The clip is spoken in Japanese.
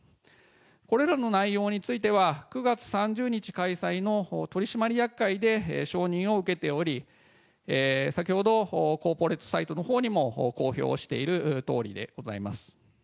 これらの内容については、９月３０日開催の取締役会で承認を受けており、先ほどコーポレートサイトのほうにも公表をしているとおりであります。